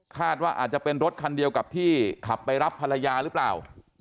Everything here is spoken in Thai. ว่าอาจจะเป็นรถคันเดียวกับที่ขับไปรับภรรยาหรือเปล่า